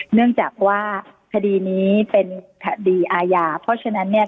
เนื่องจากว่าคดีนี้เป็นคดีอาญาเพราะฉะนั้นเนี่ย